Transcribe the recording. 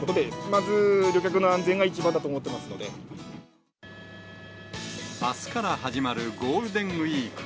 まず旅客の安全が一番だと思ってあすから始まるゴールデンウィーク。